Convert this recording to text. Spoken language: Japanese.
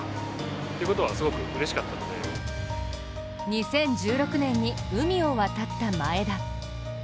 ２０１６年に海を渡った前田。